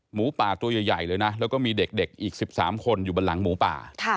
หมูป่าตัวใหญ่เลยนะแล้วก็มีเด็กอีก๑๓คนอยู่บนหลังหมูป่า